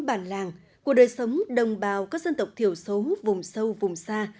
vẫn là trồng nền nông nghiệp sạch bền vững đời sống đồng bào các dân tộc thiểu xấu vùng sâu vùng xa